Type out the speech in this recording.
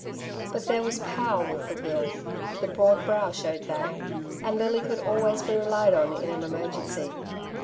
But there was power with the will — ^the broad brow showed that — and Lily could always be relied on in an emergency.